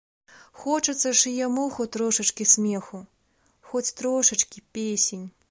Хочацца ж і яму хоць трошачкі смеху, хоць трошачкі песень.